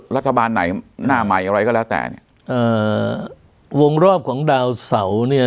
รัฐบาลไหนหน้าใหม่อะไรก็แล้วแต่เนี่ยเอ่อวงรอบของดาวเสาเนี่ย